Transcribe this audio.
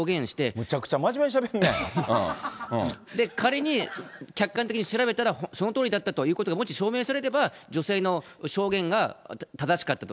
むちゃくちゃ真面目にしゃべ仮に客観的に調べたら、そのとおりだったということがもし証明されれば、女性の証言が正しかったと。